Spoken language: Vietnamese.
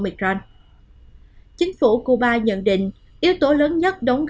chính phủ cuba nhận định yếu tố lớn nhất đóng góp vào thành công này là thời điểm hiện tại là các ca nhiễm virus sars cov hai